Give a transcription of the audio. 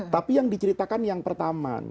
tapi yang diceritakan yang pertama